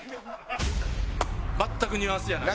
全くニュアンスじゃない。